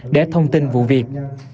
để thông tin vụ việc